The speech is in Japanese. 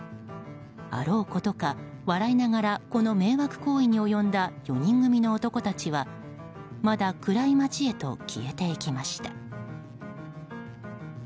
あろうことか笑いながらこの迷惑行為に及んだ４人組の男たちはまだ暗い街へと消えていきました。